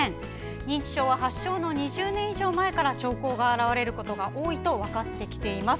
認知症は発症の２０年以上前から兆候が表れることが多いと分かってきています。